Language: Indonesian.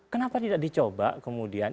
kenapa tidak dicoba kemudian